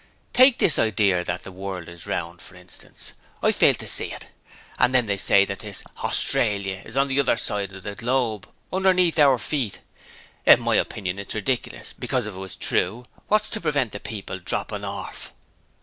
'Take this idear that the world is round, for instance; I fail to see it! And then they say as Hawstralia is on the other side of the globe, underneath our feet. In my opinion it's ridiculous, because if it was true, wot's to prevent the people droppin' orf?'